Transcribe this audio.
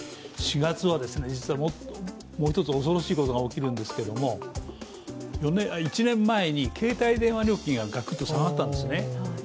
４月は、実はもう一つ恐ろしいことが起きるんですけど１年前に携帯電話料金がガクッと下がったんですね。